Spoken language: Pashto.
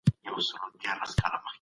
د مېوو جوس بدن ته انرژي بښي.